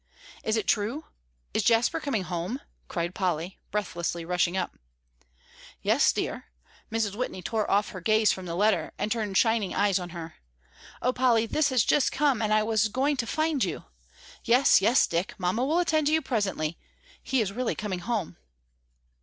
"Is it true is Jasper coming home?" cried Polly, breathlessly rushing up. "Yes, dear," Mrs. Whitney tore off her gaze from the letter, and turned shining eyes on her. "Oh, Polly, this has just come and I was going to find you. Yes, yes, Dick, Mamma will attend to you presently; he is really coming home."